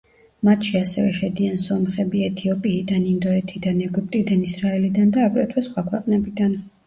მათში ასევე შედიან სომხები ეთიოპიიდან, ინდოეთიდან, ეგვიპტიდან, ისრაელიდან და აგრეთვე სხვა ქვეყნებიდან.